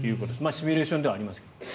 シミュレーションではありますけど。